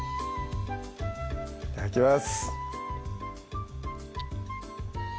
いただきます